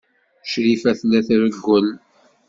Crifa tella trewwel.